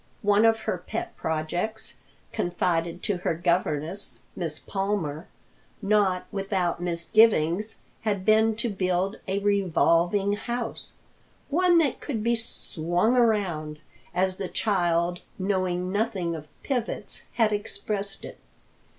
One of her pet projects, confided to her governess, Miss Palmer, not without misgivings, had been to build a revolving house, one that could be "swung around" as the child, knowing nothing of pivots, had expressed it.